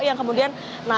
yang kemudian menjelang